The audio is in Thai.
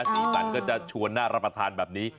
สีสันก็จะชวนน่ารับประทานแบบนี้